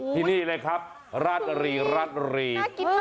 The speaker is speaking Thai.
ที่นี่เลยครับราชรีราชรี